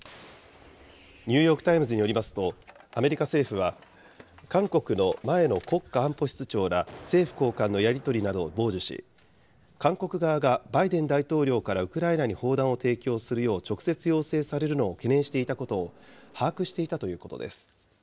ニューヨーク・タイムズによりますと、アメリカ政府は、韓国の前の国家安保室長ら、政府高官のやり取りなどを傍受し、韓国側がバイデン大統領からウクライナに砲弾を提供するよう直接要請されるのを懸念していたことを把握していたということです。